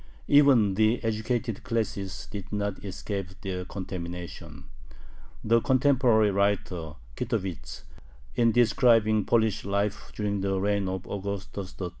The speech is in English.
Even the educated classes did not escape their contamination. The contemporary writer Kitovich, in describing Polish life during the reign of Augustus III.